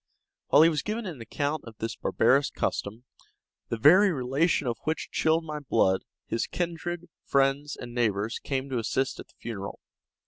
While he was giving an account of this barbarous custom, the very relation of which chilled my blood, his kindred, friends, and neighbors came to assist at the funeral.